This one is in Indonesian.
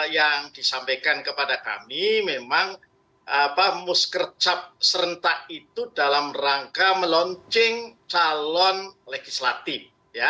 yang disampaikan kepada kami memang muskercap serentak itu dalam rangka melonceng calon legislatif